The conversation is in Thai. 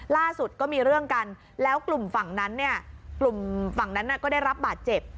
ล่าสุดก็มีเรื่องกันแล้วกลุ่มฝั่งนั้นก็ได้รับบาดเจ็บ